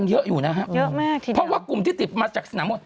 เดี๋ยวเราขึ้น